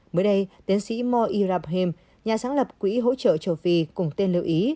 mới đây tiến sĩ moe irabhem nhà sáng lập quỹ hỗ trợ châu phi cùng tên lưu ý